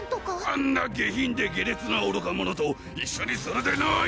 あんな下品で下劣なおろか者と一緒にするでない！